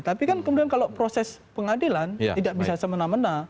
tapi kan kemudian kalau proses pengadilan tidak bisa semena mena